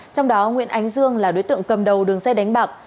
trong đó nguyễn ánh dương là đối tượng cầm đầu đường dây đánh bạc